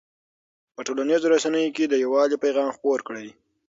په ټولنیزو رسنیو کې د یووالي پیغام خپور کړئ.